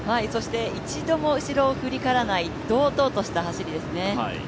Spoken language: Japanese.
一度も後ろを振り返らない堂々とした走りですね。